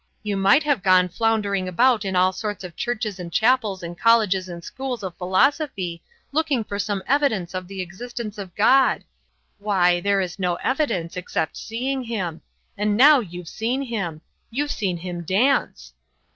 You might have gone floundering about in all sorts of churches and chapels and colleges and schools of philosophy looking for some evidence of the existence of God. Why, there is no evidence, except seeing him. And now you've seen him. You've seen him dance!"